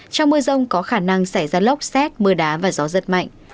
trong mưa rông có khả năng xảy ra lốc xét mưa đá và gió giật mạnh